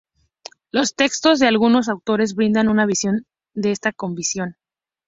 Los textos de algunos autores brindan una visión de esta convicción.